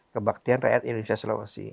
kebaktian rakyat indonesia sulawesi